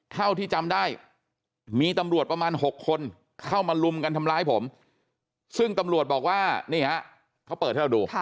เท่าที่จำได้มีตำรวจประมาณ๖คนเข้ามาลุมกันทำร้ายผมซึ่งตำรวจบอกว่านี่ฮะเขาเปิดให้เราดู